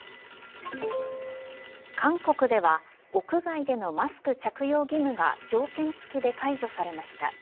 韓国では屋外でのマスク着用義務が条件付きで解除されました。